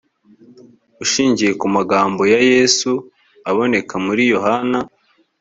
ushingiye ku magambo ya yesu aboneka muri yohana